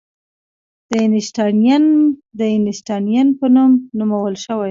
د اینشټاینیم د اینشټاین په نوم نومول شوی.